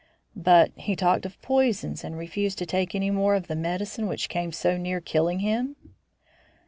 "But he talked of poisons, and refused to take any more of the medicine which came so near killing him?"